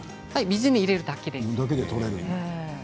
水に入れるだけです。